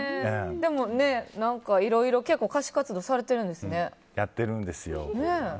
でも、いろいろ結構歌手活動されてるんですね。